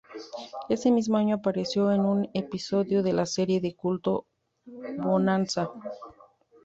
Ese mismo año apareció en un episodio de la serie de culto "Bonanza".